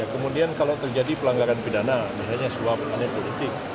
kemudian kalau terjadi pelanggaran pidana misalnya sebuah aneh politik